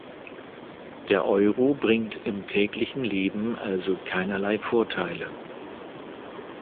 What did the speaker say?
Der Euro bringt im täglichen Leben also keinerlei Vorteile.